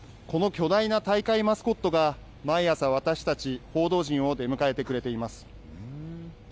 この巨大な大会マスコットが毎朝、私たち報道陣を出迎えてくれています。